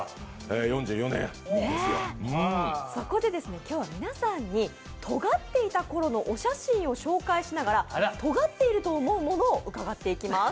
そこで、今日は皆さんにとがっていたころのお写真を紹介しながら、とがっていると思うものを伺っていきます。